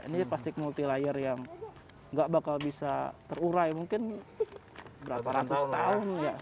ini plastik multi layer yang nggak bakal bisa terurai mungkin berapa ratus tahun